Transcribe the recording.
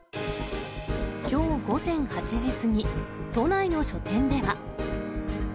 きょう午前８時過ぎ、都内の書店では。